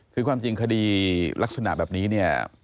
คือความจริงคดีลักษณะแบบนี้เนี่ย